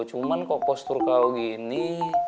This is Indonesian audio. cuman kok postur kau gini